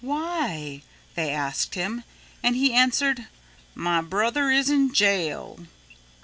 "Why?" they asked him. And he answered, "My brother is in jail."